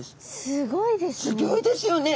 すごいですね。